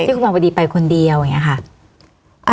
ที่คุณมาวดีไปคนเดียวเนี่ยค่ะ